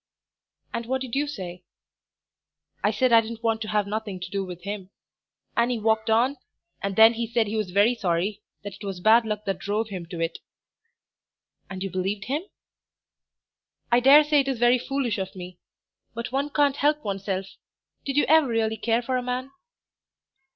'" "And what did you say?" "I said I didn't want to have nothing to do with him. Annie walked on, and then he said he was very sorry, that it was bad luck that drove him to it." "And you believed him?" "I daresay it is very foolish of me. But one can't help oneself. Did you ever really care for a man?"